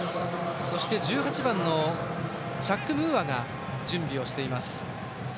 そして１８番のムーアが準備をしています。